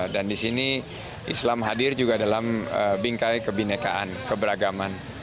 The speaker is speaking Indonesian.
dan di sini islam hadir juga dalam bingkai kebinekaan keberagaman